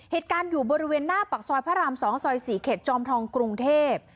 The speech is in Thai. เหตุการณ์อยู่บริเวณหน้าปากซอยพระราม๒ซอย๔เขตจอมทองกรุงเทพ